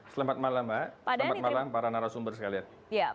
selamat malam mbak selamat malam para narasumber sekalian